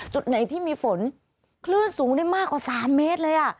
จุดไหนที่มีฝนคลื่นสูงได้มากกว่า๓เมตรเลย